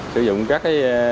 sử dụng các